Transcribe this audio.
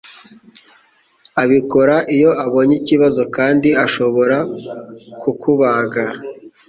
abikora Iyo abonye ikibazo kandi ashobora kukubaga